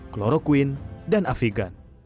kloroquine dan afigan